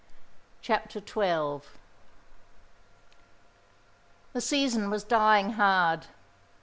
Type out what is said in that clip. CHAPTER XII The season was dying hard.